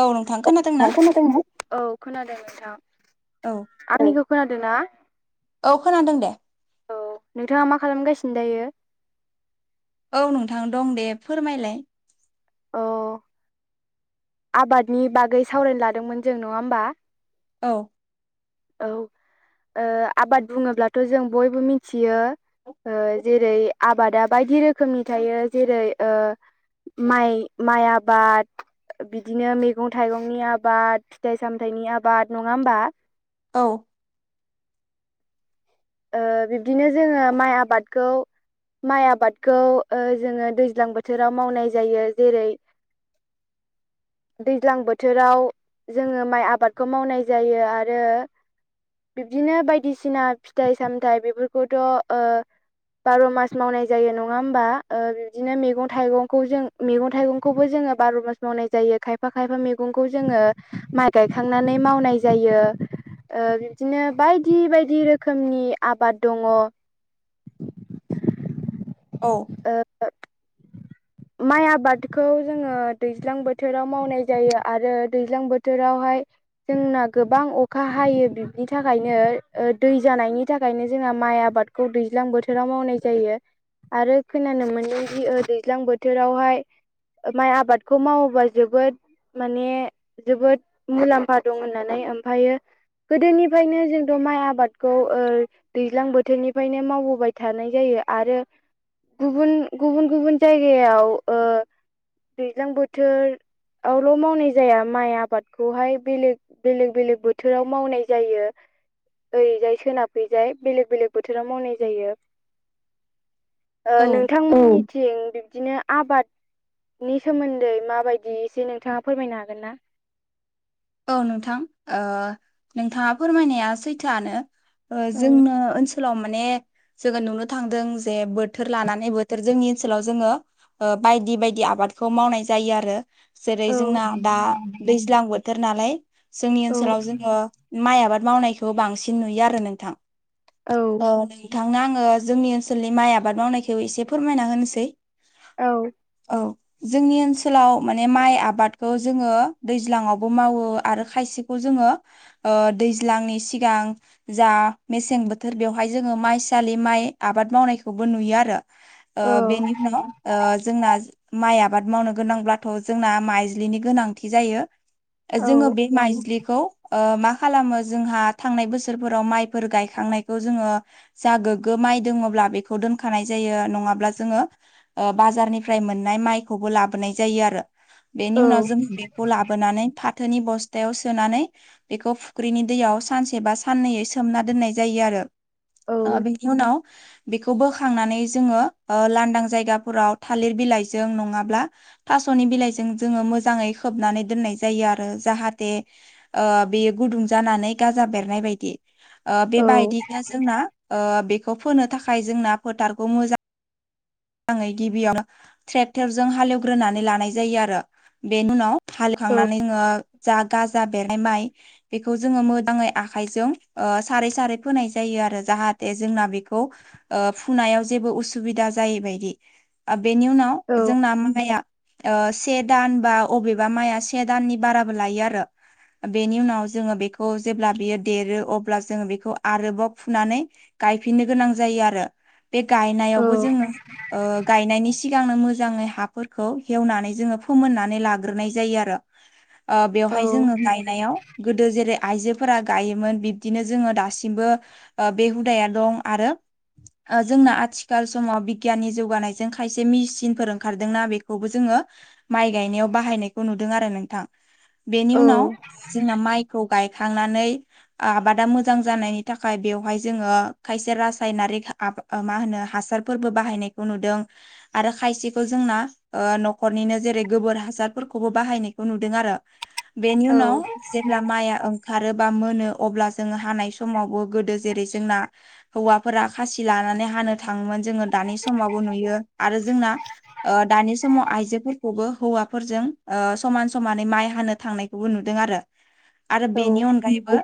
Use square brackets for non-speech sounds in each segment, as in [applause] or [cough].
औ नोंथां अ खोनादोंना आ खोनादों औ खोनादों नोंथां। औ आंनिखौ खोनादों ना? औ खोनादों दे। औ नोंथाङा मा खालामगासिनो दायो? औ नोंथां दं दे फोरमायलाय। अ आबादनि बागै सावरायनो लादोंमोन जों नङा होमबा? औ औ ओ आबाद बुङोब्लाथ' जों बयबो मिथियो ओ जेरै आबादा बायदि रोखोमनि थायो जेरै ओ माइ माइ आबाद। बिदिनो मैगं थाइगंनि आबाद फिथाइ सामथाइनि आबाद नङा होमबा? औ ओ बिब्दिनो जोङो माइ आबादखौ माइ आबादखौ ओ जोङो दैज्लां बोथोराव मावनाय जायो जेरै [inaudible] दैज्लां बोथोराव जोङो माइ आबादखौ मावनाय जायो आरो। बिब्दिनो बायदिसिना फिथाइ सामथाइ बेफोरखौथ' ओ बार' मास मावनाय जायो नङा होमबा ओ बिदिनो मैगं थाइगंखौ जों मैगं थाइगंखौबो जोङो बार' मास मावनाय जायो खायफा खायफा मैगंखौ जोङो माइ गायखांनानै मावनाय जायो ओ बिदिनो बायदि बायदि रोखोम रोखोमनि आबाद दङ। औ ओ माइ आबादखौ जोङो दैज्लां बोथोराव मावनाय जायो आरो दैज्लां बोथोरावहाय जोंना गोबां अखा हायो बिनि थाखायनो दै जानायनि थाखायनो जोंना माइ आबाद खौ दैज्लां बोथोराव मावनाय जायो आरो। खोनानो मोनो जि दैज्लां बोथोरावहाय माइ आबादखौ मावोबा जोबोद माने जोबोद मुलाम्फा दं होननानै ओमफ्रायो गोदोनिफ्रायनो जोंथ' माइ आबादखौ ओ दैज्लां बोथोरनिफ्रायनो मावबोबाय थानाय जायो आरो गुबुन गुबुन गुबुन जायगायाव ओ दैज्लां बोथोर आवल' मावनाय जाया माइ आबादखौहाय बेलेग बेलेग बेलेग बोथोराव मावनाय जायो। ओरैजाय सोनाब खैजाय बेलेग बेलेग बोथोराव मावनाय जायो। ओ औ नोंथांमोननिथिं बिब्दिनो आबाद नि सोमोन्दै माबायदि एसे नोंथाङा फोरमायनो हागोन ना? औ नोंथां ओ नोंथाङा फोरमायनाया सैथोआनो। औ जोंनो ओनसोलाव माने जोङो नुनो थांदों जे बोथोर लानानै बोथोर जोंनि ओनसोलाव जोङो ओ बायदि बायदि आबादखौ मावनाय जायो आरो। जेरै औ जोंना दा दैज्लां बोथोर नालाय जोंनि औ ओनसोलाव जोङो माइ आबाद मावनायखौ बांसिन नुयो आरो नोंथां औ नै नोंथांनो आंङो जोंनि ओनसोलनि माइ आबाद मावनायखौ एसे फोरमायना होनोसै औ औ जोंनि ओनसोलाव माने माइ आबादखौ जोङो दैज्लांङाव बो मावो आरो खायसेखौ जोङो दैज्लांनि सिगां जा मेसें बोथोर बेवहाय जोङो माइसालि माइ आबाद मावनायखौबो नुयो आरो। ओ बेनि उनाव ओ जोंना माइ आबाद मावनो गोनांब्लाथ' जोंना माइज्लिनि गोनांथि जायो। औ जोङो बे माइज्लिखौ ओ मा खालामो जोंहा थांनाय बोसोरफोराव माइफोर गायखांनाय बेखौ जोङो जा गोग्गो माइ दङब्ला बेखौ दोनखानाय जायो नङाब्ला जोङो ओ बाजारनिफ्राय मोननाय माइखौबो लाबोनाय जायो आरो बेनि औ उनाव जोङो बेखौ लाबोनानै फाथोनि बस्थायाव सोनानै बेखौ फुख्रिनि दैयाव सानसे बा साननैयै सोमना दोननाय जायो आरो औ बे उनाव बेखौ बोखांनानै जोङो लांदां जायगाफोराव थालिर बिलाइजों नङाब्ला थास'नि बिलाइजों जोङो मोजाङै खोबनानै दोननाय जायो जायो आरो जाहाथे ओ बेयो गुदुं जानानै गाजा बेरनाय बायदि ओ औ बेबायदिनो जोंना ओ बे खौ फोनो थाखाय जोंना फोथारखौ मोजां मोजाङै गिबियाव ट्रेक्टरजों हालेवग्रोनानै लानाय जायो आरो बेनि उनाव खांनानै नोङो जा गाजा बेरनाय माइ बेखौ जोङो मोजाङै आखाइजों ओ सारै सारै फोनाय जायो आरो जाहाथे जोंना बेखौ ओ फुनायाव जेबो उसुबिदा जायैबायदि बेनि उनाव जोंना माइआ ओ से दान बा अबेबा माइ से दाननि बाराबो लायो आरो बेनि उनाव जोङो बेखौ जेब्ला बियो देरो अब्ला जोङो बेखौ आरोबाव फुनानै गायफिननो गोनां जायो आरो बे गायनायावबो जोङो ओ गायनायनि सि सिगांनो मोजाङै हाफोरखौ हेवनानै जोङो फोमोननानै लाग्रोनाय जायो आरो ओ बेवहाय जोङो गायनायाव गोदो जेरै आइजोफोरा गायोमोन बिब्दिनो जोङो दासिमबो बे हुदाया दं आरो जोंना आथिखाल समाव बिगियाननि जौगानायजों खायसे मेसिनफोर ओंखारदोंना बेखौबो जोङो माइ गायनायाव बाहायनायखौ नुदों आरो नोंथां बेनि उनाव जोंना माइ खौ गायखांनानै आबादा मोजां जानायनि थाखाय बेवहाय जोङो खायसे रासायनारिक आ मा होनो हासारफोरबो बाहायनायखौ नुदों आरो खायसेखौ जोंना ओ न'खरनिनो जेरै गोबोर हासारफोरखौबो बाहायनाय खौ नुदों आरो बेनि औ उनाव जेब्ला माइया ओंखारो बा मोनो अब्ला जोङो हानाय समावबो गोदो जेरै जोंना हौवाफोरा खासि लानानै हानो थाङोमोन जोङो दानि समावबो नुयो आरो जोंना दानि समाव आइजोफोरखौबो हौवाफोरजों ओ समान समानै माइ हानो थांनायखौबो नुदों आरो आरो बेनि अनगायैबो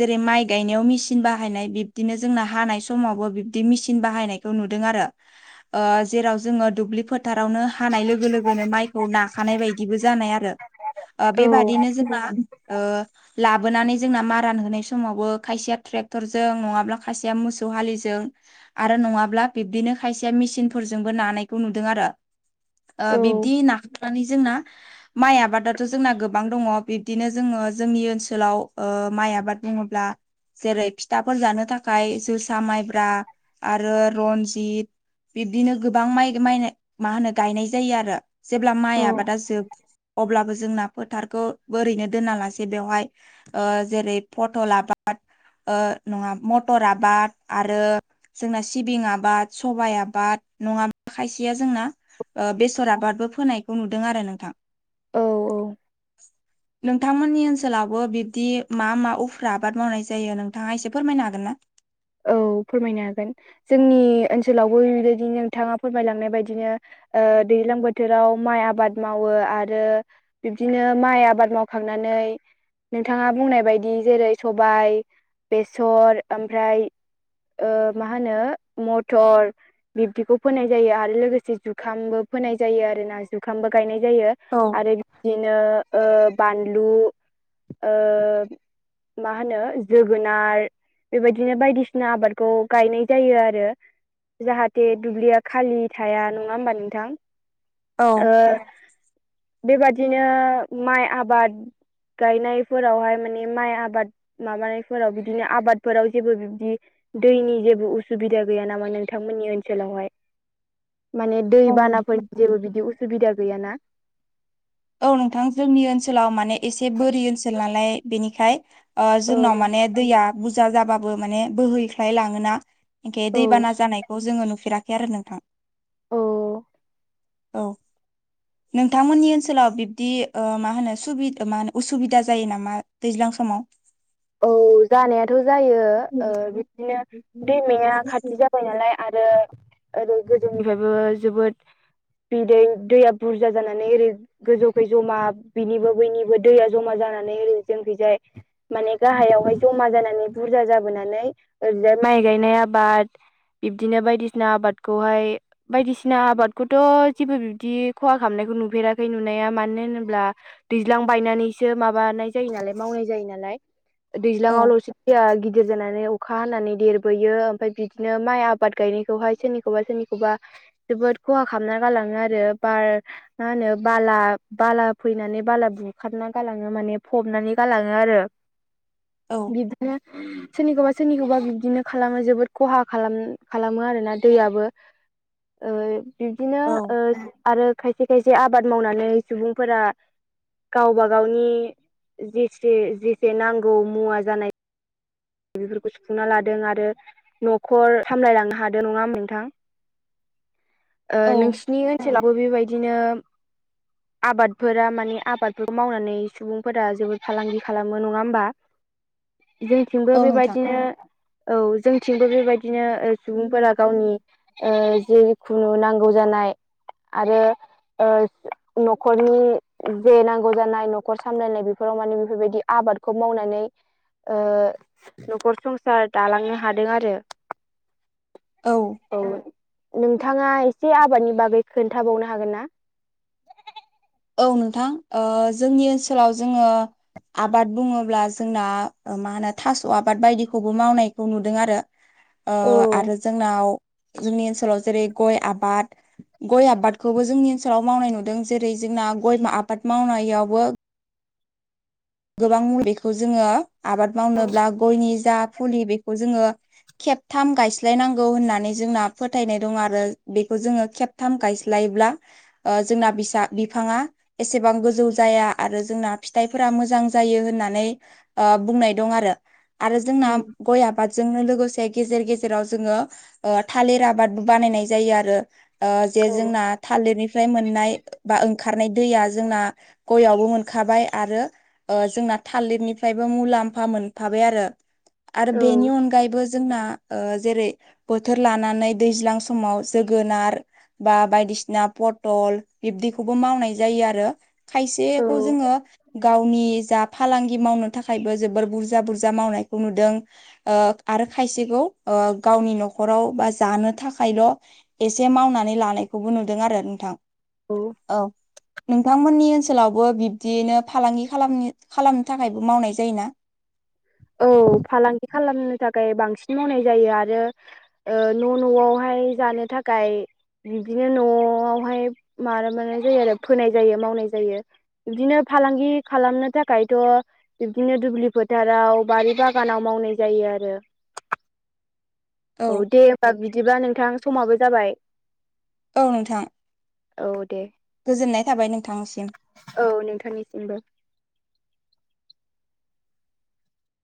जेरै माइ गायनायाव मेचिन बाहायनाय बिबदिनो जोंना हानाय समावबो बिबदि मेचिन बाहायनायखौ नुदों आरो ओ जेराव जोङो दुब्लि फोथारावनो हानाय लोगो लोगोनो माइखौ नाखानाय बायदिबो जानाय आरो बेबादिनो जोंहा [inaudible] लाबोनानै जोंना मारा होनाय समावबो खायसेया ट्रेक्टरजों नङाब्ला खायसेया मोसौ हालिजों आरो नङाब्ला बिब्दिनो खायसेया मेचनफोरजोंबो नानायखौ नुदों आरो ओ बिब्दि नाखांनानै जोंना माइ आबादाथ' जोंना गोबां दङ बिब्दिनो जोङो जोंनि ओनसोलाव माइ आबाद बुङोब्ला, जेरै फिथाफोर जानो थाखाय जोसा माइब्रा आरो रनजित बिब्दिनो गोबां माइ माइ मा होनो गायनाय जायो। आरो जेब्ला औ माइ आबादा जोब अब्लाबो जोंना फोथारखौ ओरैनो दोना लासे बेवहाय ओ जेरै पटल आबाद नङा मटर आबाद आरो जोंना सिबिं आबाद सबाइ आबाद नङाब्ला खायसेया जोंना बेसर आबादबो फोनायखौ नुदों आरो नोंथां औ औ नोंथांमोननि ओनसोलावबो बिब्दि मा मा उफ्रा आबाद मावनाय जायो नोंथाङा एसे फोरमायनो हागोन ना? औ फोरमायनो हागोन जोंनि ओनसोलावबो बेबायदि नोंथाङा फोरमायलांनाय बायदिनो ओ दैज्लां बोथोराव माइ आबाद मावो आरो बिब्दिनो माइ आबाद मावखांनानै नोंथाङा बुंनाय बायदि जेरै सबाय बेसर ओमफ्राय ओ मा होनो मटर, बिब्दिखौ फोनाय जायो आरो लोगोसे जुखामबो फोनाय जायो आरो ना जुखामबो गायनाय जायो। औ आरो बिदिनो ओ बानलु ओ मा होनो जोगोनार बेबायदिनो बायदि बायदिसिना आबादखौ गायनाय जायो आरो जाहाथे दुब्लिया खालि थाया नङा होमबा नोंथां, औ ओ बेबादिनो माइ आबाद गायनायफोरावहाय माने माइ आबाद माबानायफोराव बिदिनो आबादफोराव जेबो बिबदि दैनि जेबो उसुबिदा गैया नामा नोंथांमोननि ओनसोलावहाय, माने औ दैबानाफोरनि जेबो बिदि उसुबिदा गैयाना? औ नोंथां जोंनि ओनसोलाव माने एसे बोरि ओनसोल नालाय बेनिखाय, औ जोंनाव माने दैया बुरजा जाबाबो माने बोहैख्लाय लाङोना, खे औ दैबाना जानायखौ जोङो नुफेराखै आरो नोंथां, औ औ नोंथांमोननि ओनसोलाव बिबदि मा होनो मा होनो उसुबिदा जायो नामा दैज्लां समाव, औ जानायाथ' जायो ओ बिदिनो दैमाया खाथि जा फोनोलाय आरो ओरै गोदोनिफ्रायबो जोबोद बिदै दैया बुरजा जानानै ओरै गोजौखै जमा बिनिबो बैनिबो दैया जमा जानानै ओरै जोंखैजाय माने, गाहायावहाय जमा जानानै बुरजा जाबोनानै ओरैनोाय माइ गायनाय आबाद, बिब्दिनो बायदिसिना आबादखौहाय, बायदिसिना आबादखौथ' जेबो बिब्दि खहा खालामनायखौ नुफेराखै नुनाया मानो होनोब्ला, दैज्लां बायनानैसो माबानाय जायो नालाय मावनाय जायो नालाय औ दैज्लाङावल'से दैया गिदिर जानानै अखा हानानै देरबोयो ओमफ्राय बिदिनो माइ आबाद गायनायखौहाय सोरनिखौबा सोरनिखौबा जोबोद खहा खालामना गालाङो आरो बार मा होनो बाला बाला फैनानै बाला बुखारना गालाङो माने फबनानै गालाङो आरो औ बिदिनो सोरनिखौबा सोरनिखौबा बिदिनो खालामो जोबोद खहा खालाम खालामो आरोना दैयाबो, बिब्दिनो औ आरो खायसे खायसे आबाद मावनानै सुबुंफोरा गावबा गावनि जेसे जेसे नांगौ मुवा जानाय, बेफोरखौ सुफुंना लादों आरो न'खर सामलायलांनो हादों नङा ओनबा नोंथां, औ नोंसिनि ओनसोलावबो बेबायदिनो आबादफोरा माने आबादफोरखौ मावनानै सुबुंफोरा जोबोद फालांगि खालामो नङा होमबा, जोंथिंबो औ नोंथां बेबायदिनो औ जोंथिंबो बेबायदिनो सुबुंफोरा गावनि ओ जिखुनु नांगौ जानाय आरो ओ न'खरनि जे नांगौ जानाय न'खर सामलायनाय बेफोराव माने बेफोरबायदि आबादखौ मावनानै ओ न'खर संसार दालांनो हादों आरो। औ। औ नोंथाङा एसे आबादनि बागै खोन्थाबावनो हागोन ना? औ नोंथां जोंनि ओनसोलाव जोङो, आबाद बुङोब्ला जोंना मा होनो थास' आबाद बायदिखौबो मावनायखौ नुदों आरो औ आरो जोंनाव जोंनि ओनसोलाव जेरै गय आबाद गय आबादखौबो जोंनि ओनसोलाव मावनाय नुदों जेरै जोंना गय आबाद मावनायावबो गोबां मुलि बेखौ जोंङो आबाद मावनोब्ला गयनि जा फुलि बेखौ जोंङो खेबथाम गायस्लायनांगौ होननानै जोंना फोथायनाय दं आरो बेखौ जोंङो खेब थाम गायस्लायब्ला ओ जोंना बिसा बिफांङा एसेबां गोजौ जाया आरो जोंना फिथाइफोरा मोजां मोजां जायो होननानै ओ बुंनाय दं आरो आरो जोंना उम गय आबादजोंनो लोगोसे गेजेर गेजेराव जोंङो ओ थालिर आबादबो बानायनाय जायो आरो ओ जे औ जोंना थालिरनिफ्राय मोननाय बा ओंखारनाय दैया जोंना गयावबो मोनखाबाय आरो ओ जोंना थालिरनिफ्रायबो मुलाम्फा मोनफाबाय आरो आरो बेनि अनगायैबो जोंना ओ जेरै बोथोर लानानै दैज्लां समाव जोगोनार बा बायदिसिना पटल बिब्दिखौबो मावनाय जायो आरो। औ खायसेखौ जोंङो गावनि जा फालांगि मावनो थाखायबो जोबोर बुरजा बुरजा मावनायखौ नुदों ओ आरो खायसेखौ ओ गावनि न'खराव बा जानो थाखायल' एसे मावनानै लानायखौबो नुदों आरो नोंथां। औ नोंथांमोननि ओनसोलावबो बिब्दियैनो फालांगि खालामनो खालामनो थाखायबो मावनाय जायो ना? औ फालांगि खालामनो थाखाय बांसिन मावनाय जायो आरो ओ न' न'आवहाय जानो थाखाय बिदिनो न'आवहाय माबामानाय जायो आरो फोनाय जायो मावनाय जायो। बिदिनो फालांगि खालामनो थाखायथ' बिबदिनो दुब्लि फोथाराव बारि बागानाव मावनाय जायो आरो औ दे दा बिदिब्ला नोंथां समाबो जाबाय औ नोंथां। औ दे। गोजोननाय थाबाय नोंथांनिसिम। औ नोंथांनिसिमबो।